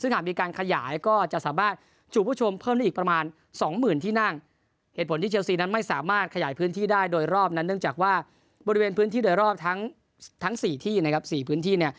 ซึ่งหากมีการขยายก็จะสามารถจูบผู้ชมเพิ่มได้อีกประมาณสองหมื่นที่นั่งเหตุผลที่เชลซีนั้นไม่สามารถขยายพื้นที่ได้โดยรอบนั้นเนื่องจากว่าบริเวณพื้นที่โดยรอบทั้งทั้งสี่ที่นะครับสี่พื้นที่เนี่ย